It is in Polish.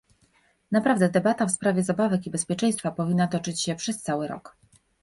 Naprawdę debata w sprawie zabawek i bezpieczeństwa powinna toczyć się przez cały rok